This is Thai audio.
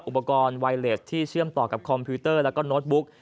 อุปกรณ์ไวเลสที่เชื่อมต่อกับคอมพิวเตอร์แล้วก็โน้ตบุ๊ก